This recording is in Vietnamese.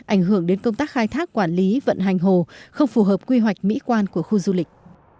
ảnh hưởng đến công tác khai thác quản lý vận hành hồ không phù hợp quy hoạch mỹ quan của khu du lịch